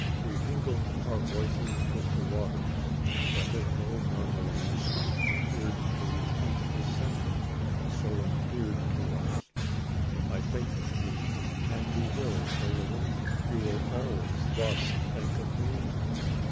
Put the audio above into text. We mingled our voices with the waters, that in low murmurings appeared to repeat the sentiment so endeared to us, "I think of thee!" "And you will, Lilian you will always thus think of me?"